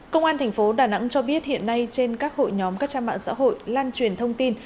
công an thành phố đà nẵng cho biết hiện nay trên các hội nhóm các trang mạng xã hội lan truyền thông tin